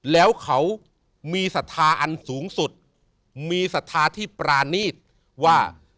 แล้วเขามีศรัทธาอันสูงสุดมีศรัทธาที่ปรานีตว่า